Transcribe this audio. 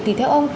thì theo ông